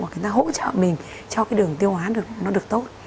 và người ta hỗ trợ mình cho cái đường tiêu hóa được nó được tốt